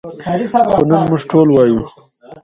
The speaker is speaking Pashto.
خو نن موږ ټول وایو.